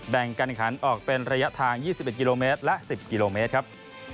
การแข่งขันออกเป็นระยะทาง๒๑กิโลเมตรและ๑๐กิโลเมตรครับ